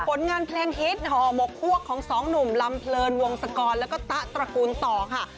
ผลงานเพลงฮิตห่อหมกควกของสองหนุ่มลำเพลินวงศกรแล้วก็ตะตระกูลต่อค่ะ